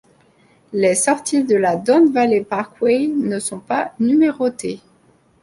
Les sorties de la Don Valley Parkway ne sont pas numérotées.